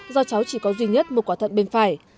do cháu chỉ có duy nhất một quả thận bên phải